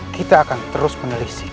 kita akan terus meneliti